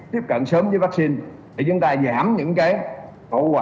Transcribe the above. tiếp cận sớm với vaccine để chúng ta giảm những cái tổ quả